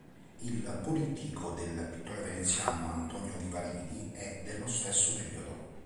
Il polittico del pittore veneziano Antonio Vivarini è dello stesso periodo.